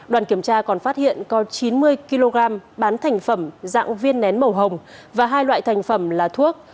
đoàn kiểm tra còn phát hiện có chín mươi kg bán thành phẩm dạng viên nén màu hồng và hai loại thành phẩm là thuốc